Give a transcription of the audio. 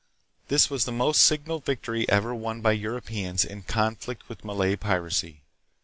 This was the most sig nal victory ever won by Europeans in conflict with Malay piracy.